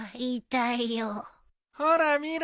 ほら見ろ。